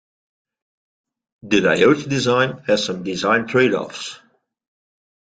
The diode design has some design trade-offs.